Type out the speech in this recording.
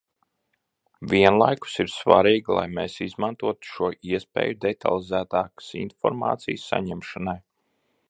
Vienlaikus ir svarīgi, lai mēs izmantotu šo iespēju detalizētākas informācijas saņemšanai.